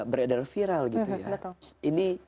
berada viral gitu ya